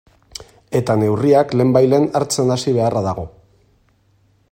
Eta neurriak lehenbailehen hartzen hasi beharra dago.